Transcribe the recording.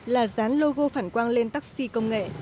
là dán logo phản quang lên taxi công nghệ